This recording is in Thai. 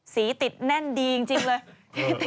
ติดแน่นดีจริงเลย